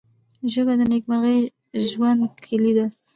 ژبه د نیکمرغه ژوند کلۍ ده